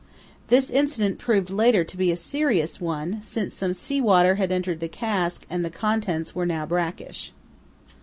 This accident proved later to be a serious one, since some sea water had entered the cask and the contents were now brackish.